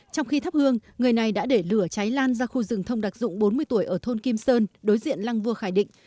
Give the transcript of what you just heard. trong khi thắp hương người này đã để lửa cháy lan ra khu rừng thông đặc dụng bốn mươi tuổi ở thôn kim sơn đối diện lăng vua khải định